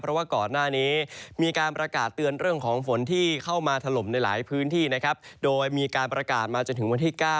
เพราะว่าก่อนหน้านี้มีการประกาศเตือนเรื่องของฝนที่เข้ามาถล่มในหลายพื้นที่นะครับโดยมีการประกาศมาจนถึงวันที่๙